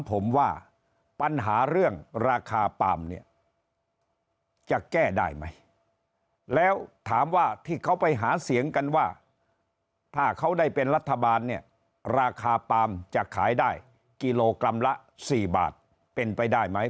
ผมว่าปัญหาเรื่องราคาปาล์มเนี่ยจะแก้ได้ไหมแล้วถามว่าที่เขาไปหาเสียงกันว่าถ้าเขาได้เป็นรัฐบาลเนี่ยราคาปาล์มจะขายได้กิโลกรัมละ๔บาทเป็นไปได้ไหม